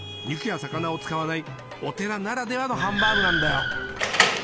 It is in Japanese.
肉や魚を使わないお寺ならではのハンバーグなんだよ。